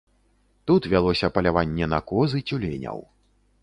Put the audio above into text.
Тут вялося паляванне на коз і цюленяў.